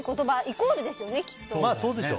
イコールですよね、きっと。